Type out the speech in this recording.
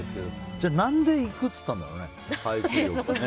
じゃあ何で行くって言ったんだろうね、海水浴。